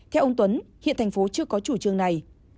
theo ông tuấn hiện thành phố chưa có chủ trương này